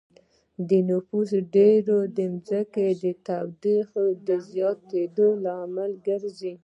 د نفوس ډېروالی د ځمکې د تودوخې د زياتېدو لامل ګرځي